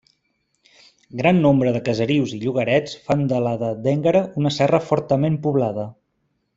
Gran nombre de caserius i llogarets fan de la d'Énguera una serra fortament poblada.